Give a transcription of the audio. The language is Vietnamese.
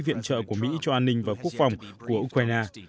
viện trợ của mỹ cho an ninh và quốc phòng của ukraine